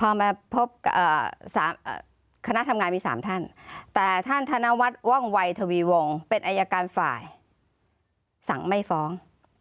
พอมาพบ๓คณะทำงานมี๓ท่านแต่ท่านธนวัฒน์ว่องวัยทวีวงเป็นอายการฝ่ายสั่งไม่ฟ้อง